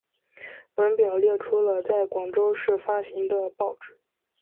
本表列出了在广州市发行的报纸。